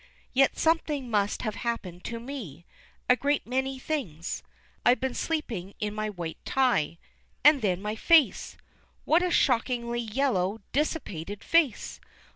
Yet something must have happened to me, a great many things. I've been sleeping in my white tie; and then my face! What a shockingly yellow, dissipated face!